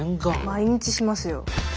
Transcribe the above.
毎日しますよ。